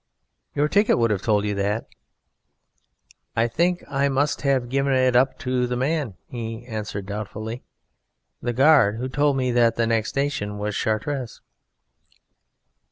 "Your ticket would have told you that." "I think I must have given it up to the man," he answered doubtfully, "the guard who told me that the next station was Chartres."